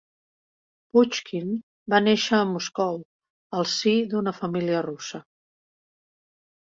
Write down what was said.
Puixkin va néixer a Moscou al si d'una família russa.